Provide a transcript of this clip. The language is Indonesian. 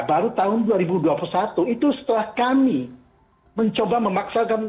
baru tahun dua ribu dua puluh satu itu setelah kami mencoba memaksakan